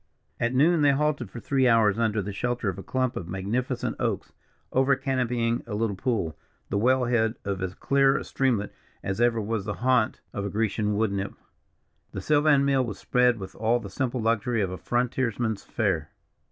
At noon, they halted for three hours under the shelter of a clump of magnificent oaks over canopying a little pool, the well head of as clear a streamlet as ever was the haunt of Grecian woodnymph. The sylvan meal was spread with all the simple luxury of a frontiers man's fare.